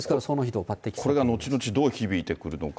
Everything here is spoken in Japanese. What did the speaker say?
これが後々どう響いてくるのか。